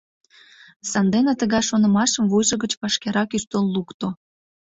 Сандене тыгай шонымашым вуйжо гыч вашкерак ӱштыл лукто.